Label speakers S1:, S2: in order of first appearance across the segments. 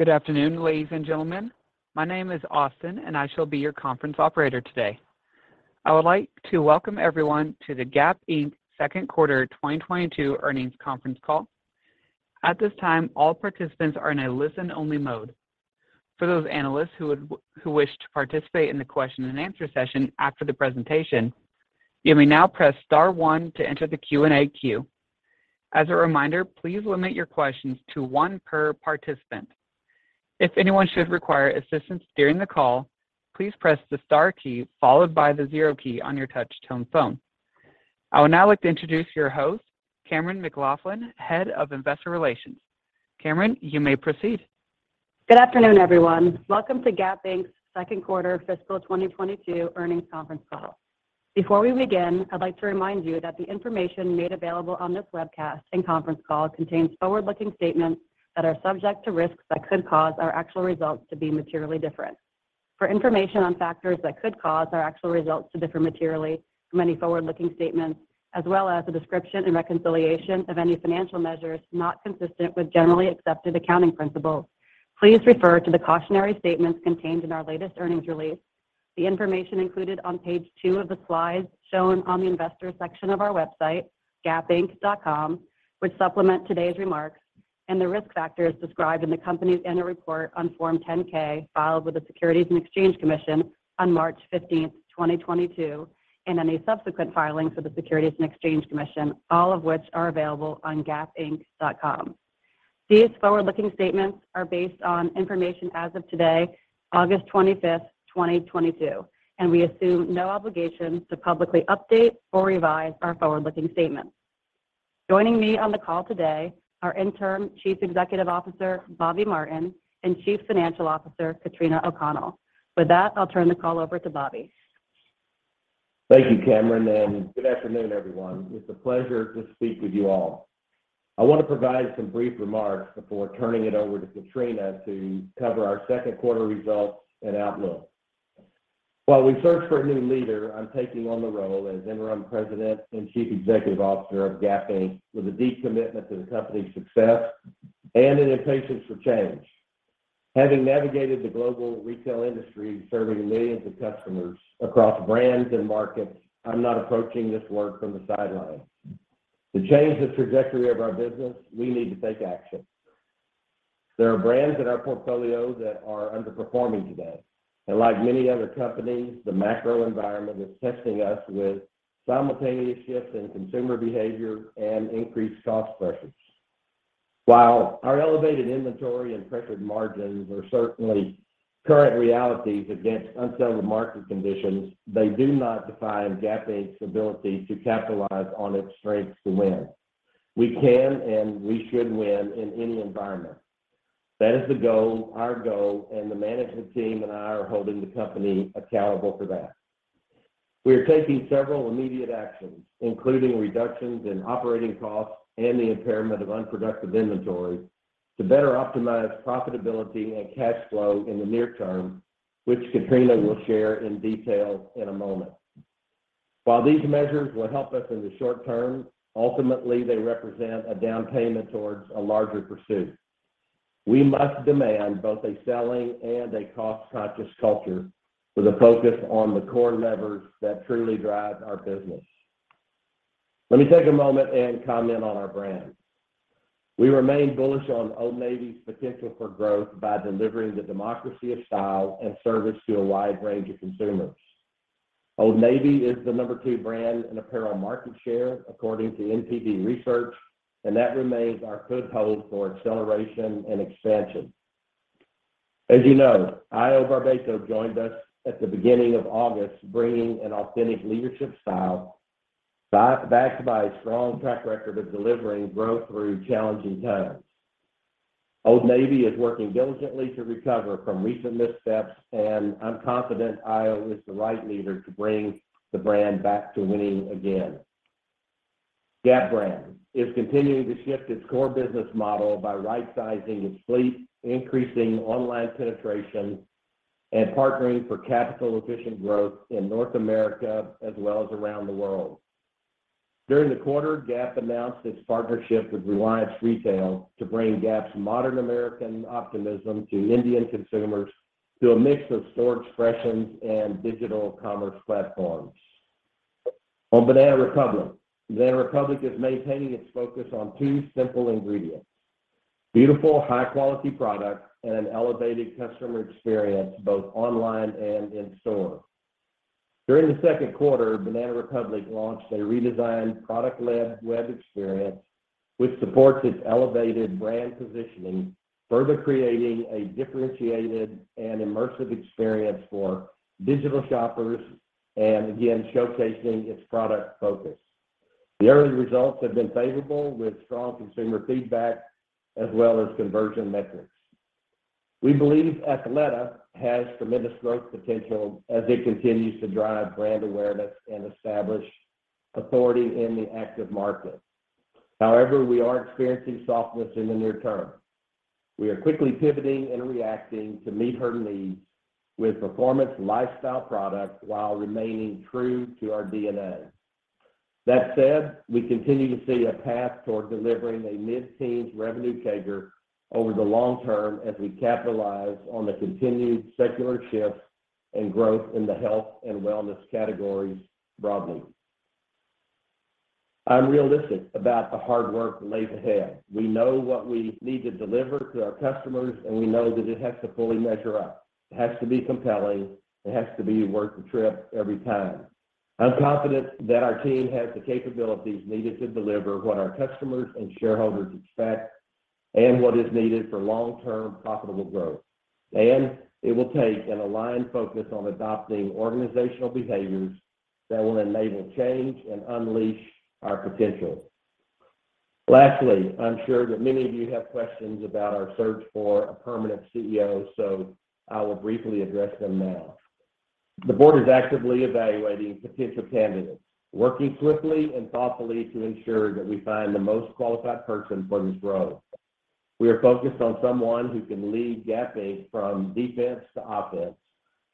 S1: Good afternoon, ladies and gentlemen. My name is Austin, and I shall be your conference operator today. I would like to welcome everyone to the Gap Inc. second quarter 2022 earnings conference call. At this time, all participants are in a listen only mode. For those analysts who wish to participate in the question and answer session after the presentation, you may now press star one to enter the Q&A queue. As a reminder, please limit your questions to one per participant. If anyone should require assistance during the call, please press the star key followed by the zero key on your touch tone phone. I would now like to introduce your host, Cammeron McLaughlin, Head of Investor Relations. Cammeron, you may proceed.
S2: Good afternoon, everyone. Welcome to Gap Inc.'s second quarter fiscal 2022 earnings conference call. Before we begin, I'd like to remind you that the information made available on this webcast and conference call contains forward-looking statements that are subject to risks that could cause our actual results to be materially different. For information on factors that could cause our actual results to differ materially from any forward-looking statements, as well as a description and reconciliation of any financial measures not consistent with generally accepted accounting principles, please refer to the cautionary statements contained in our latest earnings release. The information included on page 2 of the slides shown on the investor section of our website, gapinc.com, which supplement today's remarks, and the risk factors described in the company's annual report on Form 10-K filed with the Securities and Exchange Commission on March fifteenth, 2022, and any subsequent filings with the Securities and Exchange Commission, all of which are available on gapinc.com. These forward-looking statements are based on information as of today, August 25th, 2022, and we assume no obligation to publicly update or revise our forward-looking statements. Joining me on the call today are interim Chief Executive Officer, Bobby Martin, and Chief Financial Officer, Katrina O'Connell. With that, I'll turn the call over to Bobby.
S3: Thank you, Cammeron, and good afternoon, everyone. It's a pleasure to speak with you all. I want to provide some brief remarks before turning it over to Katrina to cover our second quarter results and outlook. While we search for a new leader, I'm taking on the role as interim president and chief executive officer of Gap Inc. with a deep commitment to the company's success and an impatience for change. Having navigated the global retail industry, serving millions of customers across brands and markets, I'm not approaching this work from the sidelines. To change the trajectory of our business, we need to take action. There are brands in our portfolio that are underperforming today, and like many other companies, the macro environment is testing us with simultaneous shifts in consumer behavior and increased cost pressures. While our elevated inventory and pressured margins are certainly current realities against unsettled market conditions, they do not define Gap Inc.'s ability to capitalize on its strengths to win. We can and we should win in any environment. That is the goal, our goal, and the management team and I are holding the company accountable for that. We are taking several immediate actions, including reductions in operating costs and the impairment of unproductive inventory to better optimize profitability and cash flow in the near term, which Katrina will share in detail in a moment. While these measures will help us in the short term, ultimately they represent a down payment towards a larger pursuit. We must demand both a selling and a cost-conscious culture with a focus on the core levers that truly drive our business. Let me take a moment and comment on our brand. We remain bullish on Old Navy's potential for growth by delivering the democracy of style and service to a wide range of consumers. Old Navy is the number two brand in apparel market share, according to Circana, and that remains our North Star for acceleration and expansion. As you know, Horacio Barbeito joined us at the beginning of August, bringing an authentic leadership style backed by a strong track record of delivering growth through challenging times. Old Navy is working diligently to recover from recent missteps, and I'm confident Horacio is the right leader to bring the brand back to winning again. Gap brand is continuing to shift its core business model by right-sizing its fleet, increasing online penetration, and partnering for capital efficient growth in North America as well as around the world. During the quarter, Gap announced its partnership with Reliance Retail to bring Gap's modern American optimism to Indian consumers through a mix of store expressions and digital commerce platforms. On Banana Republic, Banana Republic is maintaining its focus on two simple ingredients, beautiful, high-quality product and an elevated customer experience both online and in store. During the second quarter, Banana Republic launched a redesigned product-led web experience which supports its elevated brand positioning, further creating a differentiated and immersive experience for digital shoppers and again showcasing its product focus. The early results have been favorable with strong consumer feedback as well as conversion metrics. We believe Athleta has tremendous growth potential as it continues to drive brand awareness and establish authority in the active market. However, we are experiencing softness in the near term. We are quickly pivoting and reacting to meet her needs with performance lifestyle products while remaining true to our DNA. That said, we continue to see a path toward delivering a mid-teens revenue CAGR over the long term as we capitalize on the continued secular shifts and growth in the health and wellness categories broadly. I'm realistic about the hard work laid ahead. We know what we need to deliver to our customers, and we know that it has to fully measure up. It has to be compelling. It has to be worth the trip every time. I'm confident that our team has the capabilities needed to deliver what our customers and shareholders expect and what is needed for long-term profitable growth. It will take an aligned focus on adopting organizational behaviors that will enable change and unleash our potential. Lastly, I'm sure that many of you have questions about our search for a permanent CEO, so I will briefly address them now. The board is actively evaluating potential candidates, working swiftly and thoughtfully to ensure that we find the most qualified person for this role. We are focused on someone who can lead Gap Inc. from defense to offense,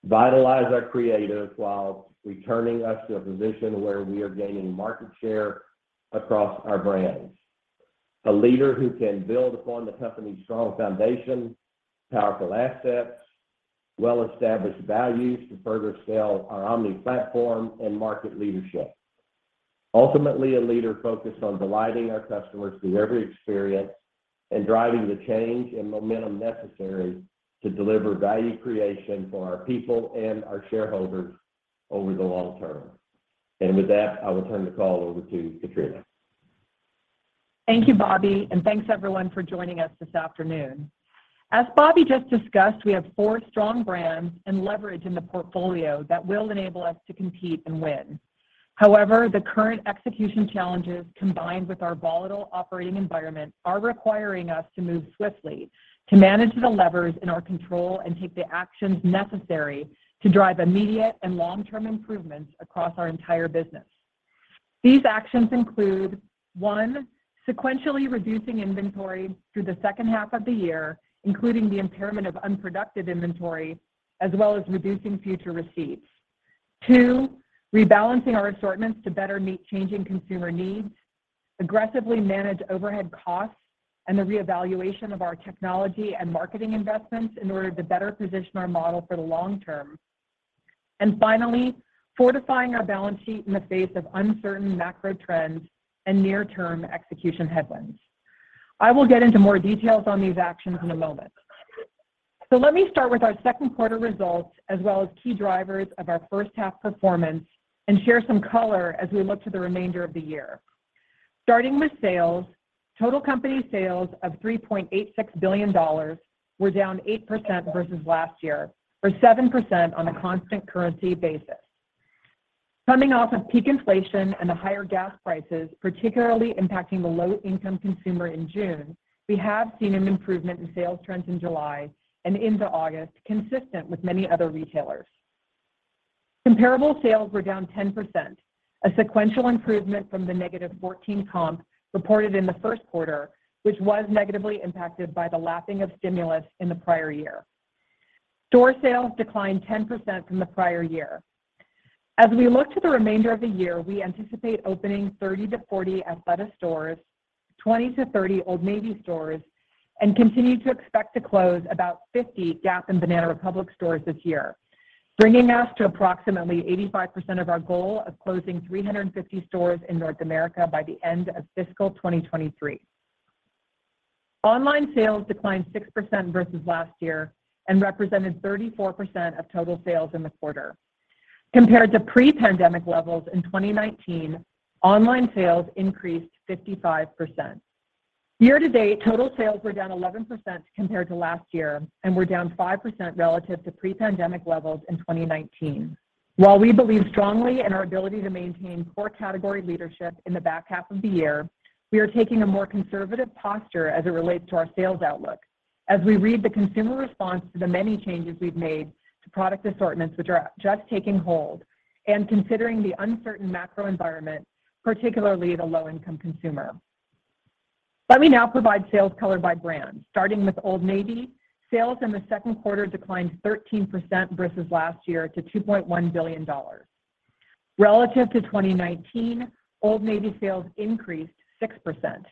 S3: vitalize our creatives while returning us to a position where we are gaining market share across our brands. A leader who can build upon the company's strong foundation, powerful assets, well-established values to further scale our omni platform and market leadership. Ultimately, a leader focused on delighting our customers through every experience and driving the change and momentum necessary to deliver value creation for our people and our shareholders over the long term. With that, I will turn the call over to Katrina.
S4: Thank you, Bobby, and thanks everyone for joining us this afternoon. As Bobby just discussed, we have four strong brands and leverage in the portfolio that will enable us to compete and win. However, the current execution challenges combined with our volatile operating environment are requiring us to move swiftly to manage the levers in our control and take the actions necessary to drive immediate and long-term improvements across our entire business. These actions include, one, sequentially reducing inventory through the second half of the year, including the impairment of unproductive inventory, as well as reducing future receipts. Two, rebalancing our assortments to better meet changing consumer needs, aggressively manage overhead costs, and the reevaluation of our technology and marketing investments in order to better position our model for the long term. And finally, fortifying our balance sheet in the face of uncertain macro trends and near-term execution headwinds. I will get into more details on these actions in a moment. Let me start with our second quarter results, as well as key drivers of our first half performance and share some color as we look to the remainder of the year. Starting with sales, total company sales of $3.86 billion were down 8% versus last year, or 7% on a constant currency basis. Coming off of peak inflation and the higher gas prices, particularly impacting the low-income consumer in June, we have seen an improvement in sales trends in July and into August, consistent with many other retailers. Comparable sales were down 10%, a sequential improvement from the -14 comp reported in the first quarter, which was negatively impacted by the lapping of stimulus in the prior year. Store sales declined 10% from the prior year. As we look to the remainder of the year, we anticipate opening 30-40 Athleta stores, 20-30 Old Navy stores, and continue to expect to close about 50 Gap and Banana Republic stores this year, bringing us to approximately 85% of our goal of closing 350 stores in North America by the end of fiscal 2023. Online sales declined 6% versus last year and represented 34% of total sales in the quarter. Compared to pre-pandemic levels in 2019, online sales increased 55%. Year-to-date, total sales were down 11% compared to last year and were down 5% relative to pre-pandemic levels in 2019. While we believe strongly in our ability to maintain core category leadership in the back half of the year, we are taking a more conservative posture as it relates to our sales outlook as we read the consumer response to the many changes we've made to product assortments which are just taking hold and considering the uncertain macro environment, particularly the low-income consumer. Let me now provide sales color by brand. Starting with Old Navy, sales in the second quarter declined 13% versus last year to $2.1 billion. Relative to 2019, Old Navy sales increased 6%.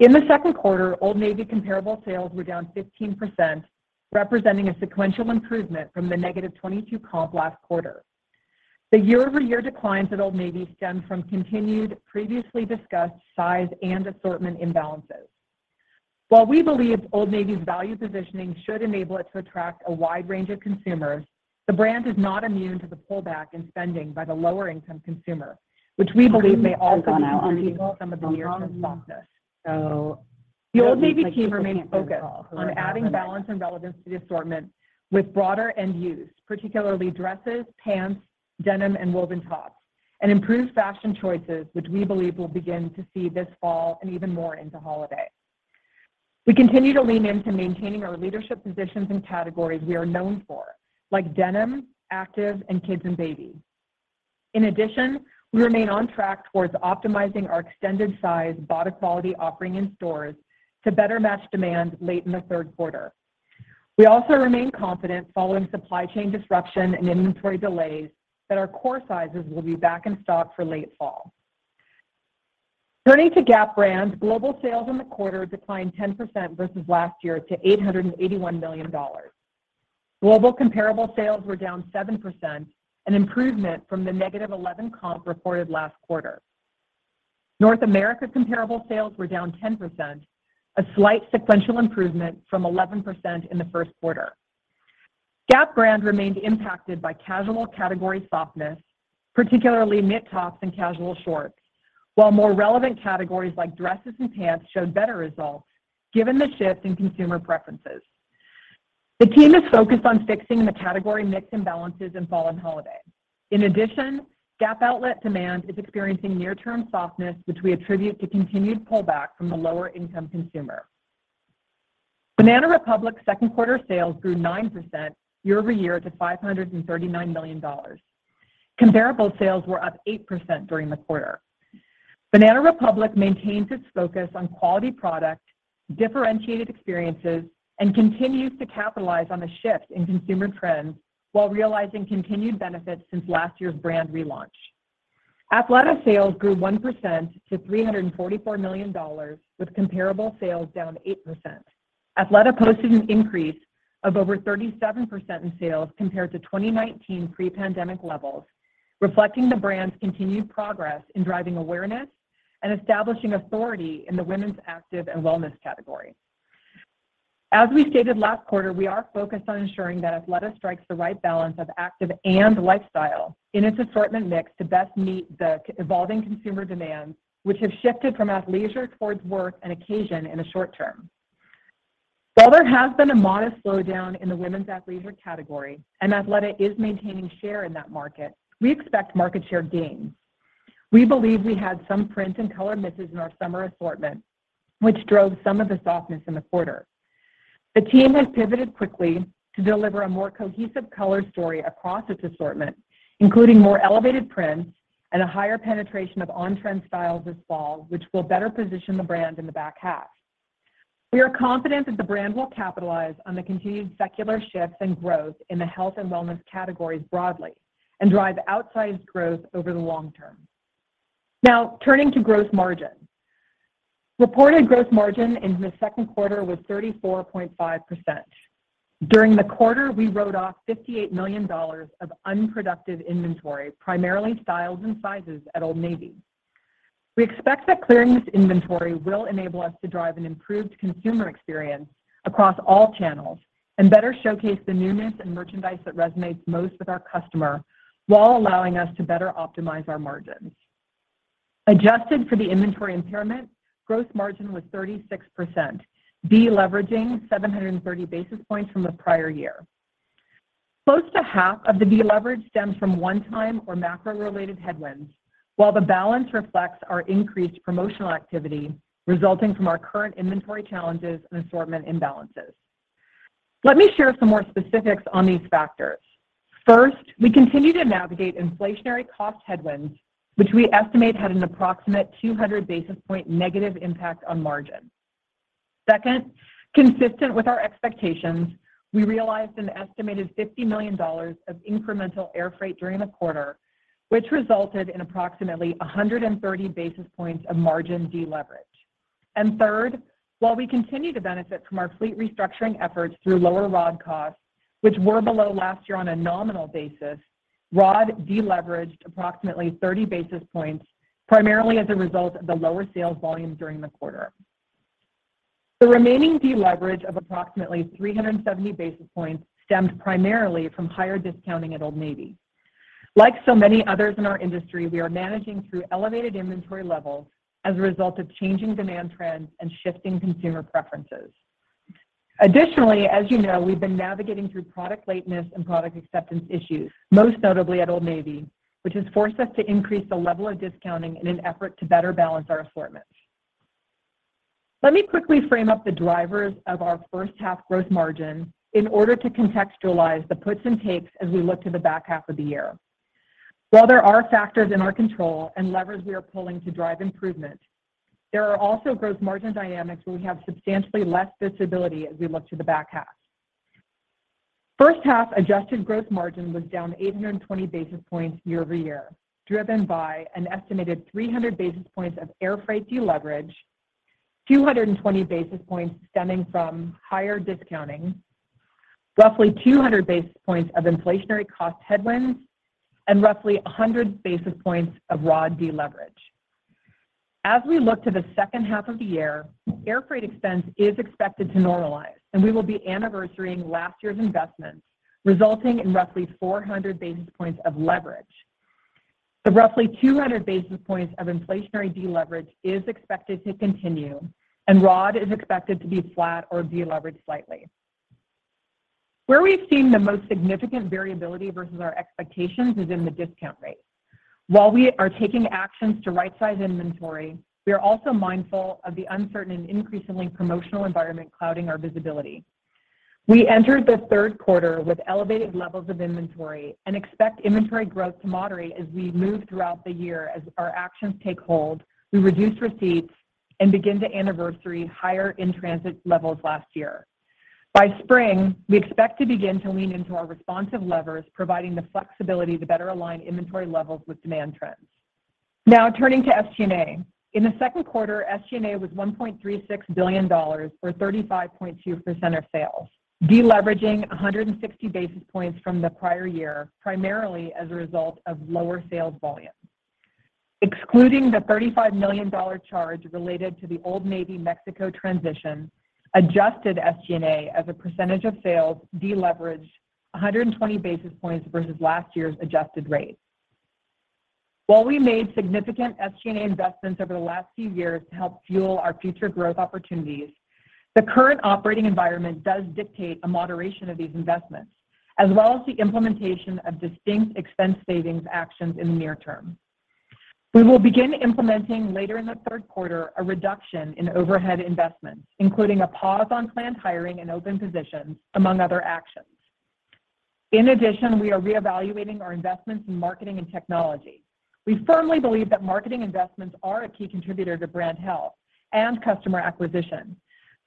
S4: In the second quarter, Old Navy comparable sales were down 15%, representing a sequential improvement from the -22 comp last quarter. The year-over-year declines at Old Navy stem from continued previously discussed size and assortment imbalances. While we believe Old Navy's value positioning should enable it to attract a wide range of consumers, the brand is not immune to the pullback in spending by the lower-income consumer, which we believe may also be contributing to some of the long-term softness. The Old Navy team remains focused on adding balance and relevance to the assortment with broader end use, particularly dresses, pants, denim, and woven tops, and improved fashion choices, which we believe we'll begin to see this fall and even more into holiday. We continue to lean into maintaining our leadership positions in categories we are known for, like denim, active, and kids and babies. In addition, we remain on track towards optimizing our extended size body quality offering in stores to better match demand late in the third quarter. We also remain confident following supply chain disruption and inventory delays that our core sizes will be back in stock for late fall. Turning to Gap brand, global sales in the quarter declined 10% versus last year to $881 million. Global comparable sales were down 7%, an improvement from the -11 comp reported last quarter. North America comparable sales were down 10%, a slight sequential improvement from 11% in the first quarter. Gap brand remained impacted by casual category softness, particularly knit tops and casual shorts. While more relevant categories like dresses and pants showed better results given the shift in consumer preferences. The team is focused on fixing the category mix imbalances in fall and holiday. In addition, Gap outlet demand is experiencing near-term softness, which we attribute to continued pullback from the lower-income consumer. Banana Republic's second quarter sales grew 9% year-over-year to $539 million. Comparable sales were up 8% during the quarter. Banana Republic maintains its focus on quality product, differentiated experiences, and continues to capitalize on the shift in consumer trends while realizing continued benefits since last year's brand relaunch. Athleta sales grew 1% to $344 million, with comparable sales down 8%. Athleta posted an increase of over 37% in sales compared to 2019 pre-pandemic levels, reflecting the brand's continued progress in driving awareness and establishing authority in the women's active and wellness category. As we stated last quarter, we are focused on ensuring that Athleta strikes the right balance of active and lifestyle in its assortment mix to best meet the evolving consumer demands, which have shifted from athleisure towards work and occasion in the short term. While there has been a modest slowdown in the women's athleisure category, and Athleta is maintaining share in that market, we expect market share gains. We believe we had some print and color misses in our summer assortment, which drove some of the softness in the quarter. The team has pivoted quickly to deliver a more cohesive color story across its assortment, including more elevated prints and a higher penetration of on-trend styles this fall, which will better position the brand in the back half. We are confident that the brand will capitalize on the continued secular shifts and growth in the health and wellness categories broadly and drive outsized growth over the long term. Now, turning to gross margin. Reported gross margin in the second quarter was 34.5%. During the quarter, we wrote off $58 million of unproductive inventory, primarily styles and sizes at Old Navy. We expect that clearing this inventory will enable us to drive an improved consumer experience across all channels and better showcase the newness and merchandise that resonates most with our customer while allowing us to better optimize our margins. Adjusted for the inventory impairment, gross margin was 36%, deleveraging 730 basis points from the prior year. Close to half of the deleverage stems from one-time or macro-related headwinds, while the balance reflects our increased promotional activity resulting from our current inventory challenges and assortment imbalances. Let me share some more specifics on these factors. First, we continue to navigate inflationary cost headwinds, which we estimate had an approximate 200 basis point negative impact on margin. Second, consistent with our expectations, we realized an estimated $50 million of incremental air freight during the quarter, which resulted in approximately 130 basis points of margin deleverage. Third, while we continue to benefit from our fleet restructuring efforts through lower ROD costs, which were below last year on a nominal basis, ROD deleveraged approximately 30 basis points, primarily as a result of the lower sales volume during the quarter. The remaining deleverage of approximately 370 basis points stemmed primarily from higher discounting at Old Navy. Like so many others in our industry, we are managing through elevated inventory levels as a result of changing demand trends and shifting consumer preferences. Additionally, as you know, we've been navigating through product lateness and product acceptance issues, most notably at Old Navy, which has forced us to increase the level of discounting in an effort to better balance our assortments. Let me quickly frame up the drivers of our first half gross margin in order to contextualize the puts and takes as we look to the back half of the year. While there are factors in our control and levers we are pulling to drive improvement, there are also gross margin dynamics where we have substantially less visibility as we look to the back half. First half adjusted gross margin was down 820 basis points year-over-year, driven by an estimated 300 basis points of air freight deleverage, 220 basis points stemming from higher discounting, roughly 200 basis points of inflationary cost headwinds, and roughly 100 basis points of ROD deleverage. As we look to the second half of the year, air freight expense is expected to normalize, and we will be anniversarying last year's investments, resulting in roughly 400 basis points of leverage. The roughly 200 basis points of inflationary deleverage is expected to continue, and ROD is expected to be flat or deleveraged slightly. Where we've seen the most significant variability versus our expectations is in the discount rate. While we are taking actions to right-size inventory, we are also mindful of the uncertain and increasingly promotional environment clouding our visibility. We entered the third quarter with elevated levels of inventory and expect inventory growth to moderate as we move throughout the year. As our actions take hold, we reduce receipts and begin to anniversary higher in-transit levels last year. By spring, we expect to begin to lean into our responsive levers, providing the flexibility to better align inventory levels with demand trends. Now turning to SG&A. In the second quarter, SG&A was $1.36 billion or 35.2% of sales, deleveraging 160 basis points from the prior year, primarily as a result of lower sales volume. Excluding the $35 million charge related to the Old Navy Mexico transition, adjusted SG&A as a percentage of sales deleveraged 120 basis points versus last year's adjusted rate. While we made significant SG&A investments over the last few years to help fuel our future growth opportunities, the current operating environment does dictate a moderation of these investments, as well as the implementation of distinct expense savings actions in the near term. We will begin implementing later in the third quarter a reduction in overhead investments, including a pause on planned hiring and open positions, among other actions. In addition, we are reevaluating our investments in marketing and technology. We firmly believe that marketing investments are a key contributor to brand health and customer acquisition.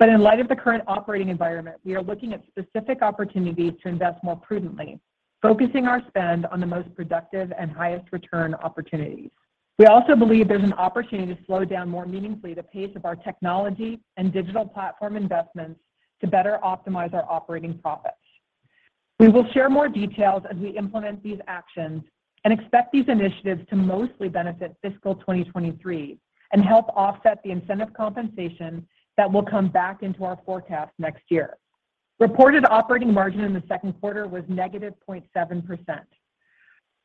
S4: In light of the current operating environment, we are looking at specific opportunities to invest more prudently, focusing our spend on the most productive and highest return opportunities. We also believe there's an opportunity to slow down more meaningfully the pace of our technology and digital platform investments to better optimize our operating profits. We will share more details as we implement these actions and expect these initiatives to mostly benefit fiscal 2023 and help offset the incentive compensation that will come back into our forecast next year. Reported operating margin in the second quarter was -0.7%.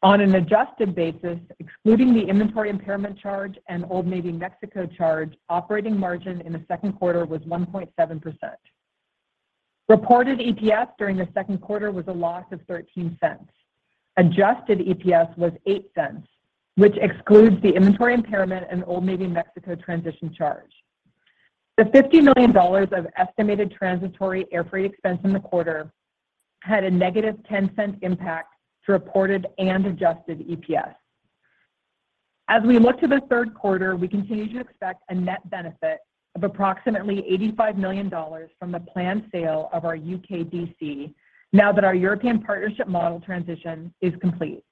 S4: On an adjusted basis, excluding the inventory impairment charge and Old Navy Mexico charge, operating margin in the second quarter was 1.7%. Reported EPS during the second quarter was a loss of $0.13. Adjusted EPS was $0.08, which excludes the inventory impairment and Old Navy Mexico transition charge. The $50 million of estimated transitory airfreight expense in the quarter had a -$0.10 impact to reported and adjusted EPS. As we look to the third quarter, we continue to expect a net benefit of approximately $85 million from the planned sale of our U.K. DC now that our European partnership model transition is complete.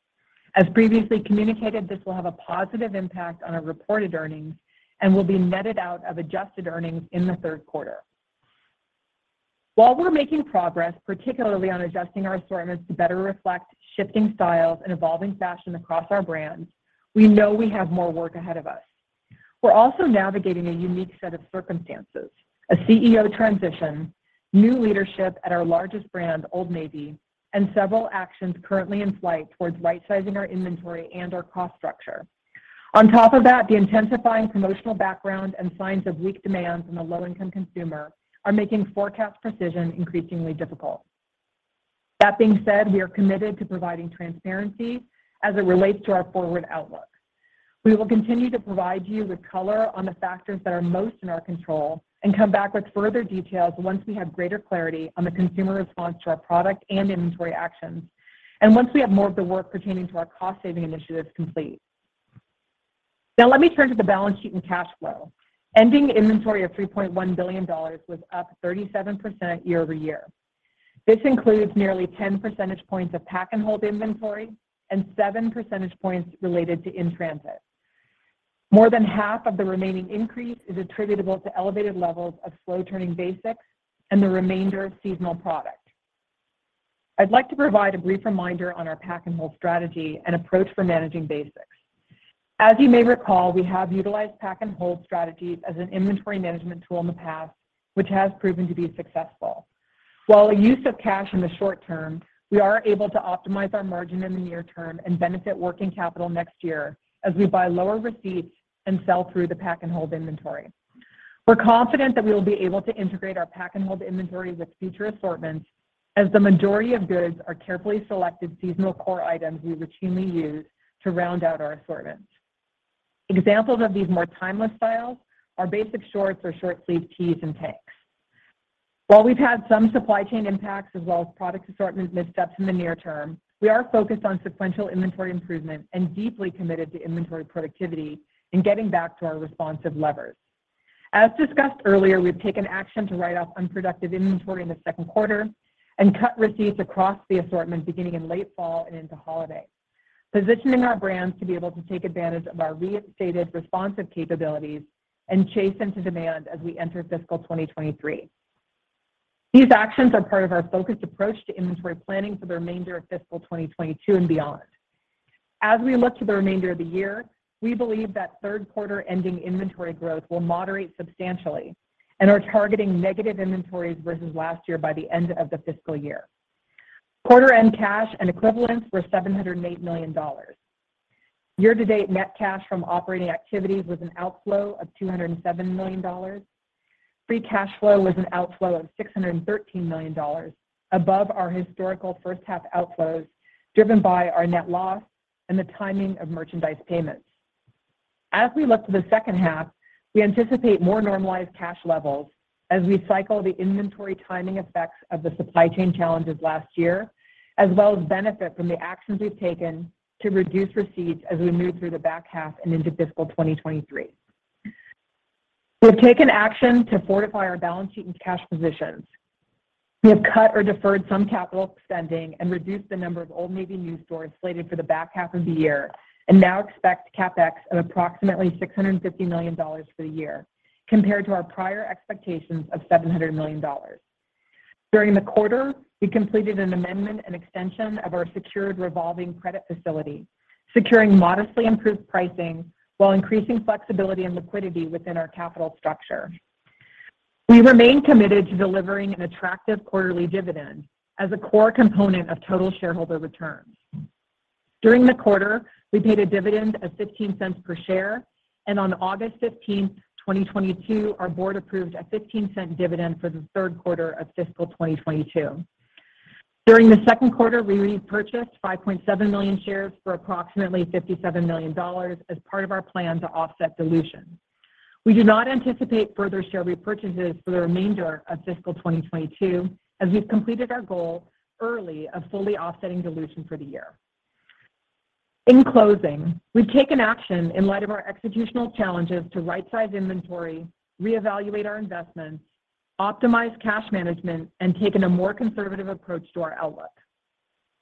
S4: As previously communicated, this will have a positive impact on our reported earnings and will be netted out of adjusted earnings in the third quarter. While we're making progress, particularly on adjusting our assortments to better reflect shifting styles and evolving fashion across our brands, we know we have more work ahead of us. We're also navigating a unique set of circumstances, a CEO transition, new leadership at our largest brand, Old Navy, and several actions currently in flight towards rightsizing our inventory and our cost structure. On top of that, the intensifying promotional background and signs of weak demand from the low-income consumer are making forecast precision increasingly difficult. That being said, we are committed to providing transparency as it relates to our forward outlook. We will continue to provide you with color on the factors that are most in our control and come back with further details once we have greater clarity on the consumer response to our product and inventory actions, and once we have more of the work pertaining to our cost-saving initiatives complete. Now let me turn to the balance sheet and cash flow. Ending inventory of $3.1 billion was up 37% year-over-year. This includes nearly 10 percentage points of pack and hold inventory and seven percentage points related to in-transit. More than half of the remaining increase is attributable to elevated levels of slow-turning basics and the remainder of seasonal product. I'd like to provide a brief reminder on our pack and hold strategy and approach for managing basics. As you may recall, we have utilized pack and hold strategies as an inventory management tool in the past, which has proven to be successful. While a use of cash in the short term, we are able to optimize our margin in the near term and benefit working capital next year as we buy lower receipts and sell through the pack and hold inventory. We're confident that we will be able to integrate our pack and hold inventory with future assortments as the majority of goods are carefully selected seasonal core items we routinely use to round out our assortments. Examples of these more timeless styles are basic shorts or short-sleeved tees and tanks. While we've had some supply chain impacts as well as product assortment missteps in the near term, we are focused on sequential inventory improvement and deeply committed to inventory productivity and getting back to our responsive levers. As discussed earlier, we've taken action to write off unproductive inventory in the second quarter and cut receipts across the assortment beginning in late fall and into holiday, positioning our brands to be able to take advantage of our reinstated responsive capabilities and chase them to demand as we enter fiscal 2023. These actions are part of our focused approach to inventory planning for the remainder of fiscal 2022 and beyond. As we look to the remainder of the year, we believe that third quarter ending inventory growth will moderate substantially and are targeting negative inventories versus last year by the end of the fiscal year. Quarter-end cash and equivalents were $708 million. Year-to-date net cash from operating activities was an outflow of $207 million. Free cash flow was an outflow of $613 million above our historical first-half outflows driven by our net loss and the timing of merchandise payments. We look to the second half, we anticipate more normalized cash levels. We cycle the inventory timing effects of the supply chain challenges last year, as well as benefit from the actions we've taken to reduce receipts as we move through the back half and into fiscal 2023. We've taken action to fortify our balance sheet and cash positions. We have cut or deferred some capital spending and reduced the number of Old Navy new stores slated for the back half of the year and now expect CapEx of approximately $650 million for the year compared to our prior expectations of $700 million. During the quarter, we completed an amendment and extension of our secured revolving credit facility, securing modestly improved pricing while increasing flexibility and liquidity within our capital structure. We remain committed to delivering an attractive quarterly dividend as a core component of total shareholder returns. During the quarter, we paid a dividend of $0.15 per share, and on August 15th, 2022, our board approved a $0.15 dividend for the third quarter of fiscal 2022. During the second quarter, we repurchased 5.7 million shares for approximately $57 million as part of our plan to offset dilution. We do not anticipate further share repurchases for the remainder of fiscal 2022 as we've completed our goal early of fully offsetting dilution for the year. In closing, we've taken action in light of our executional challenges to right-size inventory, reevaluate our investments, optimize cash management, and taken a more conservative approach to our outlook.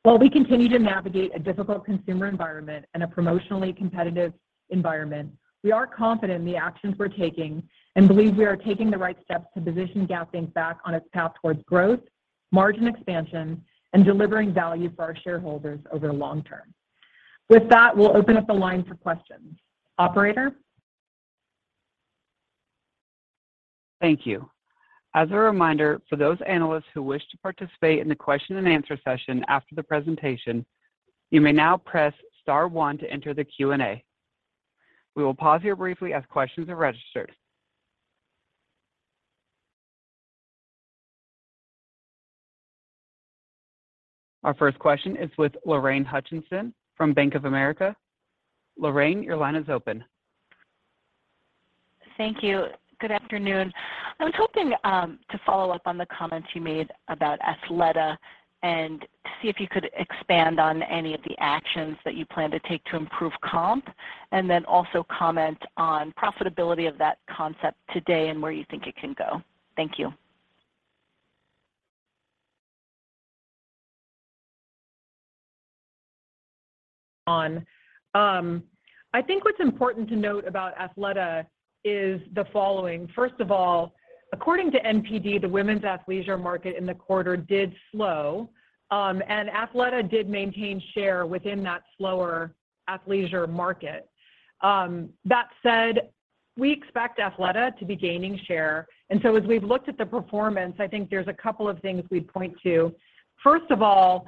S4: While we continue to navigate a difficult consumer environment and a promotionally competitive environment, we are confident in the actions we're taking and believe we are taking the right steps to position Gap Inc. back on its path towards growth, margin expansion, and delivering value for our shareholders over the long term. With that, we'll open up the line for questions. Operator?
S1: Thank you. As a reminder, for those analysts who wish to participate in the question-and-answer session after the presentation, you may now press star one to enter the Q&A. We will pause here briefly as questions are registered. Our first question is with Lorraine Hutchinson from Bank of America. Lorraine, your line is open.
S5: Thank you. Good afternoon. I was hoping to follow up on the comments you made about Athleta and to see if you could expand on any of the actions that you plan to take to improve comp, and then also comment on profitability of that concept today and where you think it can go. Thank you.
S4: I think what's important to note about Athleta is the following. First of all, according to Circana, the women's athleisure market in the quarter did slow, and Athleta did maintain share within that slower athleisure market. That said, we expect Athleta to be gaining share. As we've looked at the performance, I think there's a couple of things we'd point to. First of all,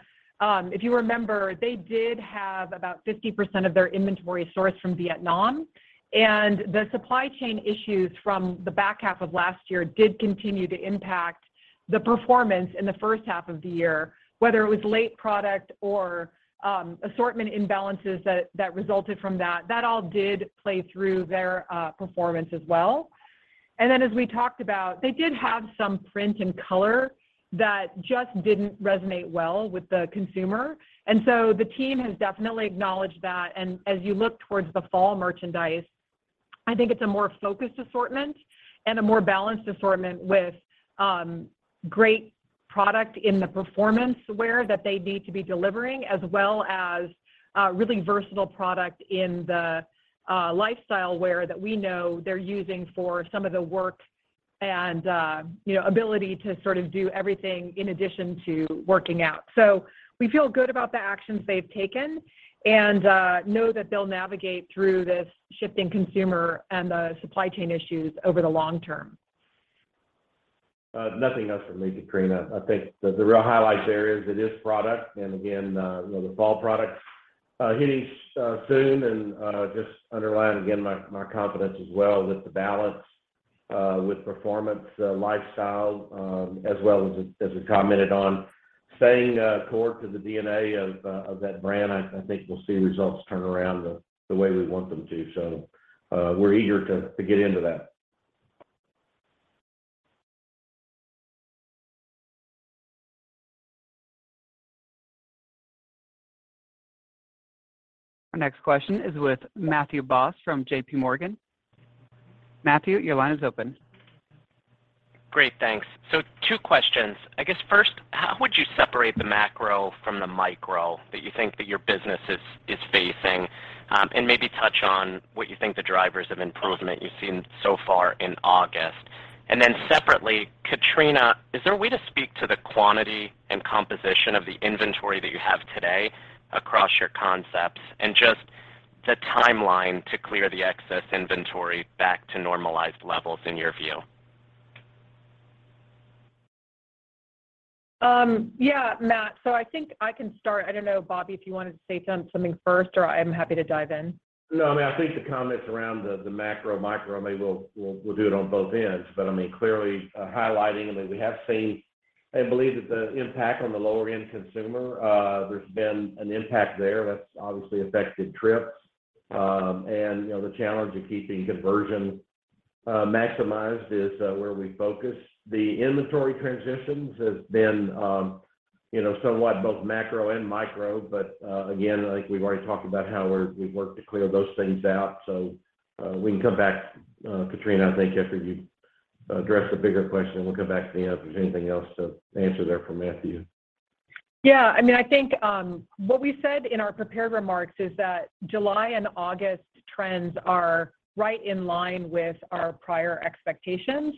S4: if you remember, they did have about 50% of their inventory sourced from Vietnam, and the supply chain issues from the back half of last year did continue to impact the performance in the first half of the year. Whether it was late product or, assortment imbalances that resulted from that all did play through their performance as well. Then as we talked about, they did have some print and color that just didn't resonate well with the consumer. The team has definitely acknowledged that. As you look towards the fall merchandise, I think it's a more focused assortment and a more balanced assortment with great product in the performance wear that they need to be delivering, as well as really versatile product in the lifestyle wear that we know they're using for some of the work and you know ability to sort of do everything in addition to working out. We feel good about the actions they've taken and know that they'll navigate through this shifting consumer and the supply chain issues over the long term.
S3: Nothing else from me, Katrina. I think the real highlights there is it is product and again, you know, the fall product hitting soon and just underlying again my confidence as well with the balance with performance lifestyle as well as we commented on staying core to the DNA of that brand, I think we'll see results turn around the way we want them to. We're eager to get into that.
S1: Our next question is with Matthew Boss from JPMorgan. Matthew, your line is open.
S6: Great, thanks. Two questions. I guess first, how would you separate the macro from the micro that you think that your business is facing? And maybe touch on what you think the drivers of improvement you've seen so far in August. And then separately, Katrina, is there a way to speak to the quantity and composition of the inventory that you have today across your concepts and just the timeline to clear the excess inventory back to normalized levels in your view? Yeah, Matt, so I think I can start. I don't know, Bobby, if you wanted to say something first, or I'm happy to dive in.
S3: No, I mean, I think the comments around the macro, micro, I mean, we'll do it on both ends. I mean, clearly, highlighting, I mean, we have seen. I believe that the impact on the lower end consumer, there's been an impact there that's obviously affected trips. You know, the challenge of keeping conversion maximized is where we focus. The inventory transitions has been, you know, somewhat both macro and micro. Again, I think we've already talked about how we've worked to clear those things out. We can come back, Katrina, I think after you address the bigger question, and we'll come back to me if there's anything else to answer there from Matthew.
S4: Yeah. I mean, I think what we said in our prepared remarks is that July and August trends are right in line with our prior expectations.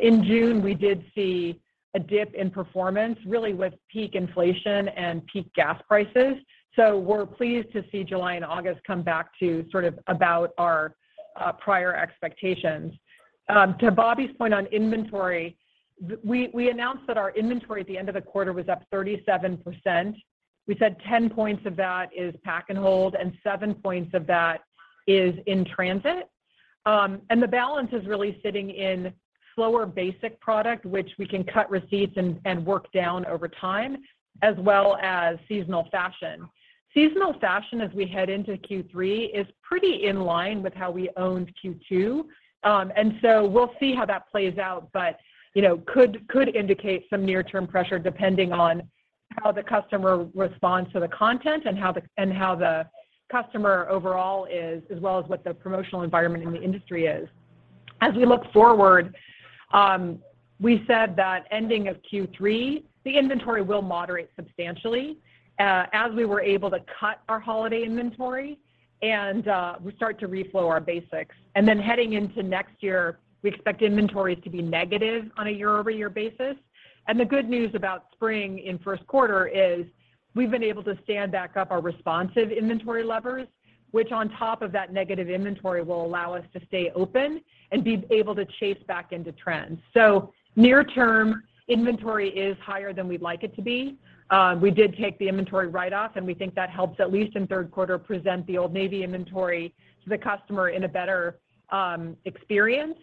S4: In June, we did see a dip in performance, really with peak inflation and peak gas prices. We're pleased to see July and August come back to sort of about our prior expectations. To Bobby's point on inventory, we announced that our inventory at the end of the quarter was up 37%. We said 10 points of that is pack and hold, and seven points of that is in transit. The balance is really sitting in slower basic product, which we can cut receipts and work down over time, as well as seasonal fashion. Seasonal fashion, as we head into Q3, is pretty in line with how we ended Q2. We'll see how that plays out. You know, could indicate some near-term pressure depending on how the customer responds to the content and how the customer overall is, as well as what the promotional environment in the industry is. As we look forward, we said that ending of Q3, the inventory will moderate substantially, as we were able to cut our holiday inventory and we start to reflow our basics. Heading into next year, we expect inventories to be negative on a year-over-year basis. The good news about spring in first quarter is we've been able to stand back up our responsive inventory levers, which on top of that negative inventory will allow us to stay open and be able to chase back into trends. Near term, inventory is higher than we'd like it to be. We did take the inventory write-off, and we think that helps, at least in third quarter, present the Old Navy inventory to the customer in a better experience.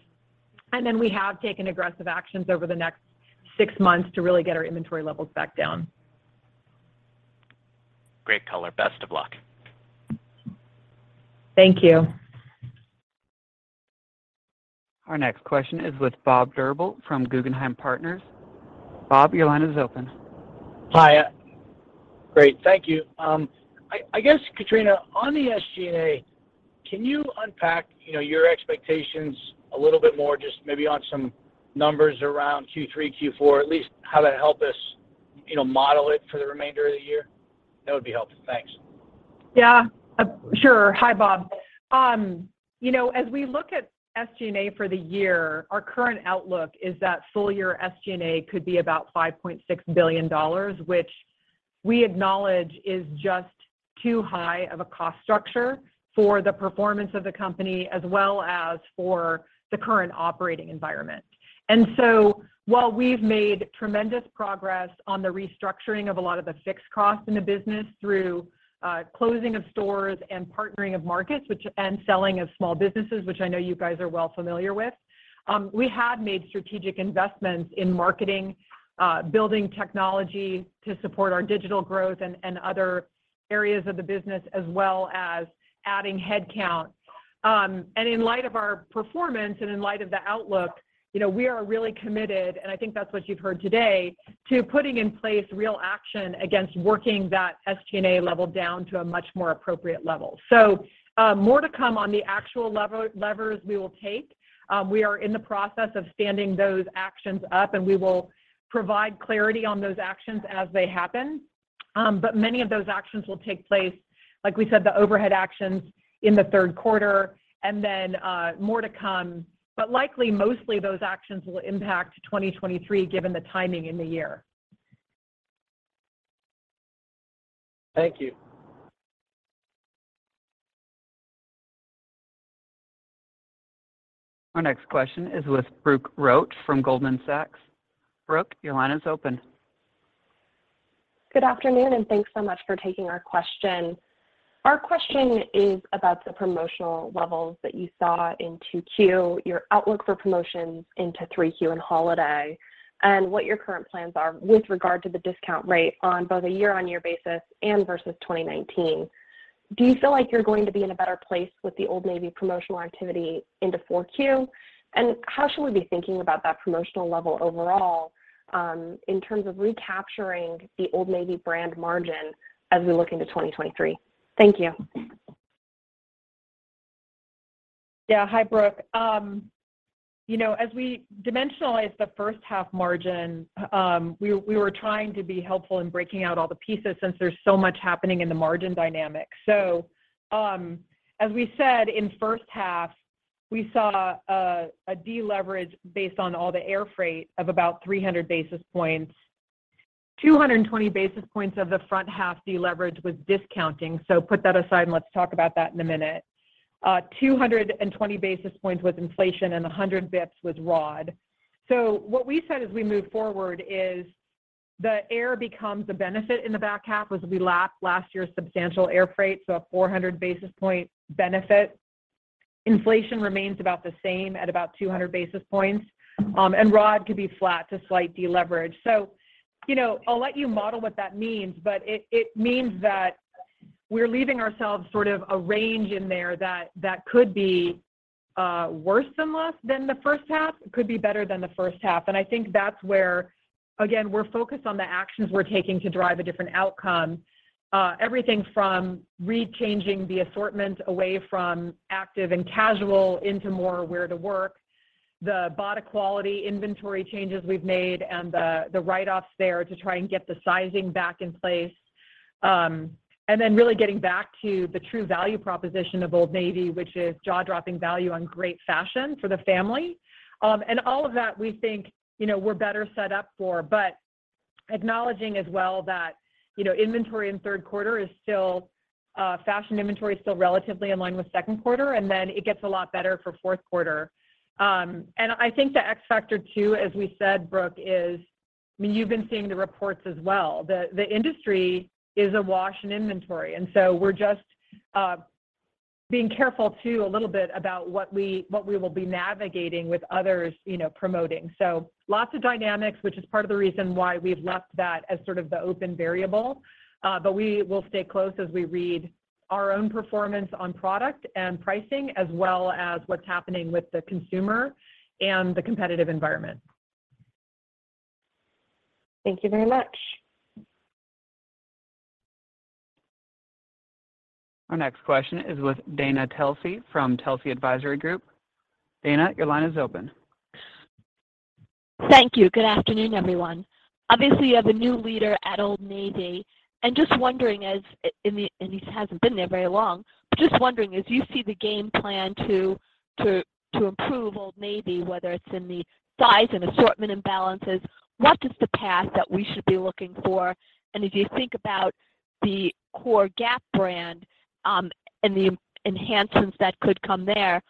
S4: Then we have taken aggressive actions over the next six months to really get our inventory levels back down.
S6: Great color. Best of luck.
S4: Thank you.
S1: Our next question is with Bob Drbul from Guggenheim Partners. Bob, your line is open.
S7: Hi. Great. Thank you. I guess, Katrina, on the SG&A, can you unpack, you know, your expectations a little bit more, just maybe on some numbers around Q3, Q4, at least how that help us, you know, model it for the remainder of the year? That would be helpful. Thanks.
S4: Yeah, sure. Hi, Bob. You know, as we look at SG&A for the year, our current outlook is that full year SG&A could be about $5.6 billion, which we acknowledge is just too high of a cost structure for the performance of the company as well as for the current operating environment. While we've made tremendous progress on the restructuring of a lot of the fixed costs in the business through closing of stores and partnering of markets and selling of small businesses, which I know you guys are well familiar with, we had made strategic investments in marketing, building technology to support our digital growth and other areas of the business, as well as adding headcount. In light of our performance and in light of the outlook, you know, we are really committed, and I think that's what you've heard today, to putting in place real action against working that SG&A level down to a much more appropriate level. More to come on the actual levers we will take. We are in the process of standing those actions up, and we will provide clarity on those actions as they happen. Many of those actions will take place, like we said, the overhead actions in the third quarter and then more to come. Likely, mostly those actions will impact 2023 given the timing in the year.
S7: Thank you.
S1: Our next question is with Brooke Roach from Goldman Sachs. Brooke, your line is open.
S8: Good afternoon, and thanks so much for taking our question. Our question is about the promotional levels that you saw in 2Q, your outlook for promotions into 3Q and holiday, and what your current plans are with regard to the discount rate on both a year-on-year basis and versus 2019. Do you feel like you're going to be in a better place with the Old Navy promotional activity into 4Q? How should we be thinking about that promotional level overall, in terms of recapturing the Old Navy brand margin as we look into 2023? Thank you.
S4: Yeah. Hi, Brooke. You know, as we dimensionalize the first half margin, we were trying to be helpful in breaking out all the pieces since there's so much happening in the margin dynamic. As we said in first half, we saw a deleverage based on all the air freight of about 300 basis points. 220 basis points of the front half deleverage was discounting. Put that aside, and let's talk about that in a minute. 220 basis points was inflation, and 100 basis points was raw. What we said as we move forward is the air becomes a benefit in the back half as we lap last year's substantial air freight, so a 400 basis point benefit. Inflation remains about the same at about 200 basis points, and raw could be flat to slight deleverage. You know, I'll let you model what that means, but it means that we're leaving ourselves sort of a range in there that could be worse than or less than the first half. Could be better than the first half. I think that's where, again, we're focused on the actions we're taking to drive a different outcome. Everything from re-changing the assortment away from active and casual into more wear-to-work, the body quality inventory changes we've made and the write-offs there to try and get the sizing back in place. Really getting back to the true value proposition of Old Navy, which is jaw-dropping value on great fashion for the family. All of that, we think, you know, we're better set up for. Acknowledging as well that, you know, inventory in third quarter is still, fashion inventory is still relatively in line with second quarter, and then it gets a lot better for fourth quarter. I think the X factor too, as we said, Brooke, is I mean, you've been seeing the reports as well. The industry is awash in inventory, and so we're just being careful too, a little bit about what we will be navigating with others, you know, promoting. Lots of dynamics, which is part of the reason why we've left that as sort of the open variable. We will stay close as we read our own performance on product and pricing, as well as what's happening with the consumer and the competitive environment.
S8: Thank you very much.
S1: Our next question is with Dana Telsey from Telsey Advisory Group. Dana, your line is open.
S9: Thank you. Good afternoon, everyone. Obviously, you have a new leader at Old Navy, and he hasn't been there very long, but just wondering as you see the game plan to improve Old Navy, whether it's in the size and assortment imbalances, what is the path that we should be looking for? As you think about the core Gap brand, and the enhancements that could come there,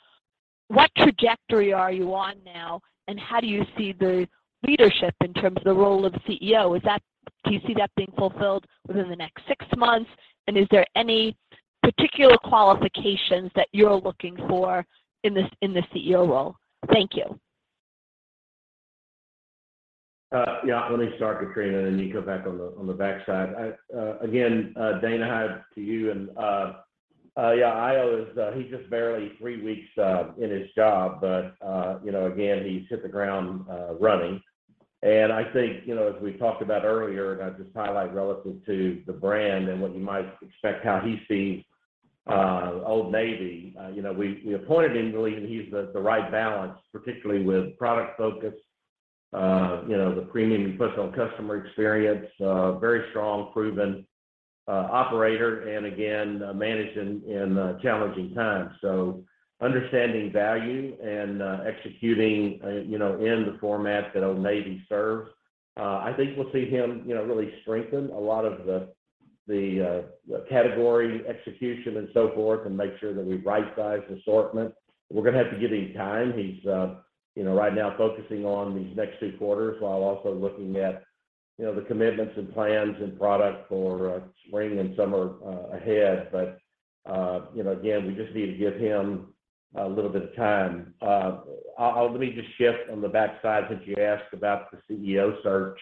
S9: what trajectory are you on now, and how do you see the leadership in terms of the role of CEO? Do you see that being fulfilled within the next six months? Is there any particular qualifications that you're looking for in the CEO role? Thank you.
S3: Yeah. Let me start, Katrina, and then you go back on the backside. Again, Dana, hi to you. Yeah, Haio, he's just barely three weeks in his job. You know, again, he's hit the ground running. I think, you know, as we talked about earlier, and I'll just highlight relative to the brand and what you might expect, how he sees Old Navy. You know, we appointed him believing he's the right balance, particularly with product focus, you know, the premium he puts on customer experience, very strong, proven operator, and again, managed in challenging times. Understanding value and executing, you know, in the format that Old Navy serves, I think we'll see him, you know, really strengthen a lot of the category execution and so forth and make sure that we right-size assortment. We're gonna have to give him time. He's, you know, right now focusing on these next two quarters while also looking at, you know, the commitments and plans and product for spring and summer ahead. You know, again, we just need to give him a little bit of time. Let me just shift on the backside since you asked about the CEO search.